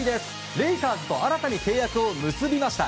レイカーズと新たに契約を結びました。